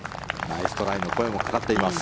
ナイストライの声もかかっています。